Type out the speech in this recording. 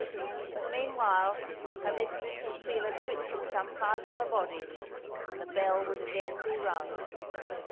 But, meanwhile, her mistress would feel a twitch in some part of her body, and the bell would again be rung.